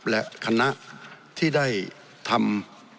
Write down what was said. และคณะที่ได้ทำ